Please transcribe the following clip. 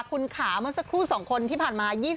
คุณขามันสักครู่สองคนที่ผ่านมา